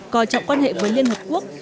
coi trọng quan hệ với liên hiệp quốc